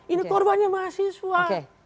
ini korbannya mahasiswa